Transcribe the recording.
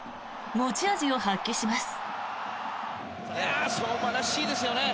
持ち味を発揮します。